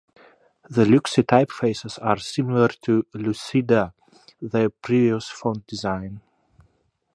The Luxi typefaces are similar to Lucida - their previous font design.